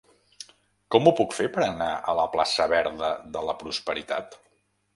Com ho puc fer per anar a la plaça Verda de la Prosperitat?